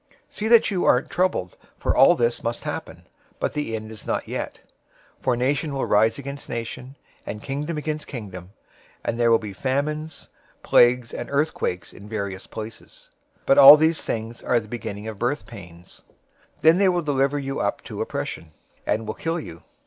See that you aren't troubled, for all this must happen, but the end is not yet. 024:007 For nation will rise against nation, and kingdom against kingdom; and there will be famines, plagues, and earthquakes in various places. 024:008 But all these things are the beginning of birth pains. 024:009 Then they will deliver you up to oppression, and will kill you.